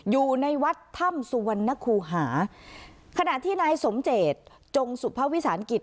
อยู่ในวัดถ้ำสุวรรณคูหาขณะที่นายสมเจตจงสุภาวิสานกิจ